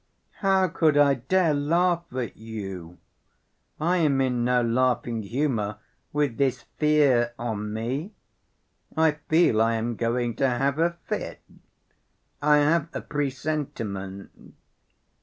"How could I dare laugh at you? I am in no laughing humor with this fear on me. I feel I am going to have a fit. I have a presentiment.